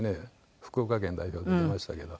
福岡県代表で出ましたけど。